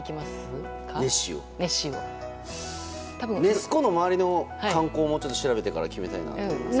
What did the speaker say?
ネス湖の周りの観光をちょっと調べてから決めたいなと思いますね。